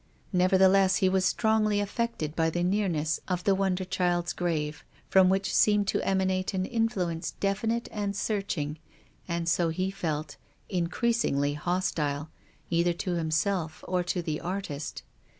Neverthe less he was strongly affected by the nearness of the wonder child's grave, from which seemed to emanate an influence definite and searching, and — so he felt — increasingly hostile, either to himself or to the artist.